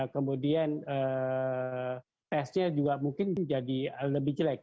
kemudian tesnya juga mungkin jadi lebih jelek